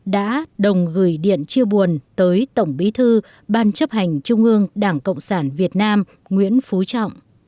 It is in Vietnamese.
đã đồng gửi điện chia buồn tới tổng bí thư ban chấp hành trung ương đảng cộng sản việt nam nguyễn phú trọng